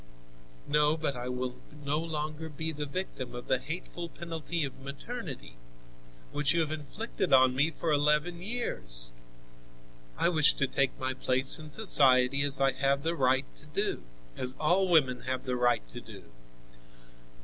"No, but I will no longer be the victim of the hateful penalty of maternity, which you have inflicted on me for eleven years! I wish to take my place in society as I have the right to do, as all women have the right to do."